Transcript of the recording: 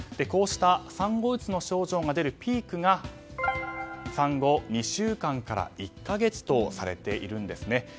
こうした産後うつの症状が出るピークが産後２週間から１か月とされているんですね。